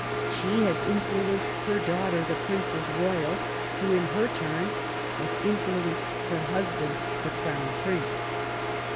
She has influenced her daughter, the Princess Royal, who, in her turn, has influenced her husband, the Crown Prince."